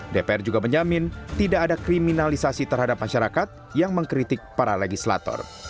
dpr juga menjamin tidak ada kriminalisasi terhadap masyarakat yang mengkritik para legislator